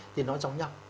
thì nó giống nhau